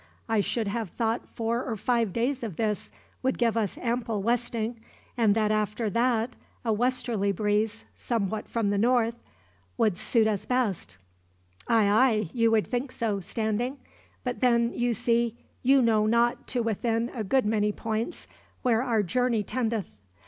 I should have thought four or five days of this would give us ample westing, and that after that a westerly breeze, somewhat from the north, would suit us best." "Ay, ay, you would think so, Standing; but then you see, you know not to within a good many points where our journey tendeth.